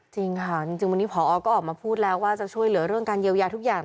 จริงค่ะจริงวันนี้พอก็ออกมาพูดแล้วว่าจะช่วยเหลือเรื่องการเยียวยาทุกอย่าง